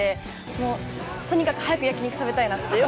もう、とにかく、早く焼き肉食べたなって。